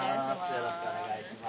よろしくお願いします。